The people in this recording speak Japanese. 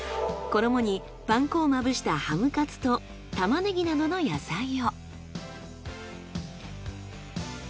衣にパン粉をまぶしたハムカツとタマネギなどの野菜を。